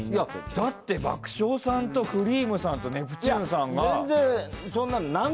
だって爆笑さんとくりぃむさんとネプチューンさんが。